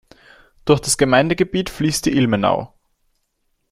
Durch das Gemeindegebiet fließt die Ilmenau.